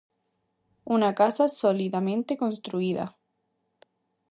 Unha casa solidamente construída.